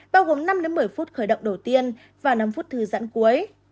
bao gồm năm một mươi phút khởi động đầu tiên và năm phút thư giãn cuối